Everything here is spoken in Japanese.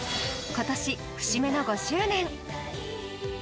今年、節目の５周年。